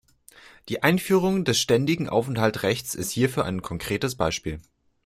Die Einführung des ständigen Aufenthaltsrechts ist hierfür ein konkretes Beispiel.